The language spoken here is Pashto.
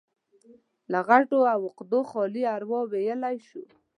له غوټو او عقدو خالي اروا ويلی شو.